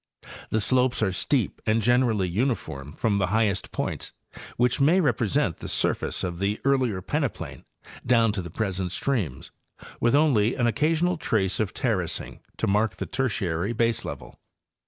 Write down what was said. The slopes are steep and generally uniform from the highest points, which may represent the surface of the earlier peneplain, down to the present streams, with only an occasional trace of terracing to mark the Tertiary baselevel.